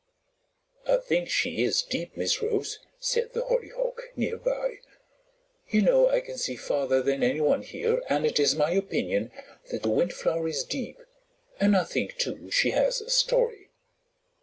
"I think she is deep, Miss Rose," said the Hollyhock, near by. "You know I can see farther than anyone here, and it is my opinion that the Windflower is deep, and I think, too, she has a story."